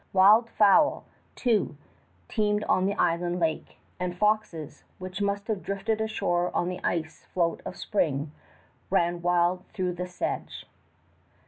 Wild fowl, too, teemed on the inland lake; and foxes, which must have drifted ashore on the ice float of spring, ran wild through the sedge.